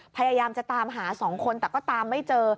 พยายามจะตามหา๒คนแต่ก็ตามไม่เจอ